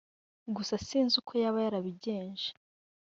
gusa sinzi uko yaba yarabigenje”